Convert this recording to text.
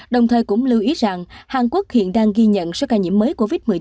đồng thời cũng lưu ý rằng hàn quốc hiện đang ghi nhận số ca nhiễm mới covid một mươi chín